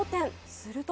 すると。